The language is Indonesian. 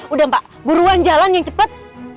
udah pak buruan jalan yang cepat